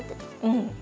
うん。